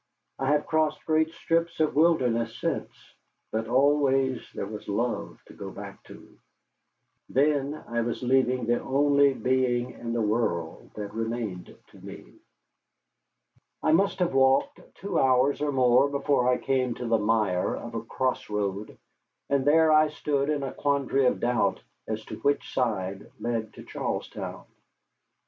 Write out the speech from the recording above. I have crossed great strips of wilderness since, but always there was love to go back to. Then I was leaving the only being in the world that remained to me. I must have walked two hours or more before I came to the mire of a cross road, and there I stood in a quandary of doubt as to which side led to Charlestown.